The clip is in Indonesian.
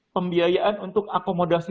pembiayaan untuk akomodasi